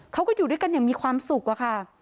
เขาก็อยู่ด้วยกันอย่างมีความสุขอะค่ะ